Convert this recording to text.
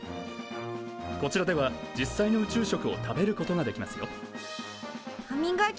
こちらでは実際の宇宙食を食べることができますよ。